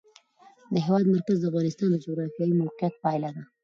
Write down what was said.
د هېواد مرکز د افغانستان د جغرافیایي موقیعت پایله ده.